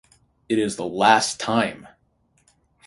It is the last time!